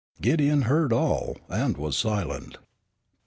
Gideon heard all and was silent.